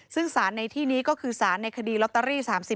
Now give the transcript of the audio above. ซึ่งสารในที่นี้ก็คือสารในคดีลอตเตอรี่๓๐